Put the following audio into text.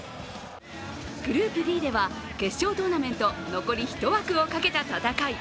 グループＤでは、決勝トーナメント残り１枠をかけた戦い。